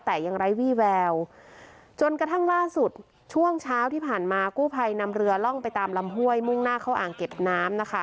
แต่ยังไร้วี่แววจนกระทั่งล่าสุดช่วงเช้าที่ผ่านมากู้ภัยนำเรือล่องไปตามลำห้วยมุ่งหน้าเข้าอ่างเก็บน้ำนะคะ